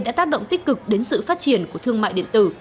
đã tác động tích cực đến sự phát triển của thương mại điện tử